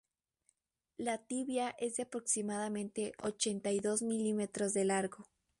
La tibia es de aproximadamente ochenta y dos milímetros de largo.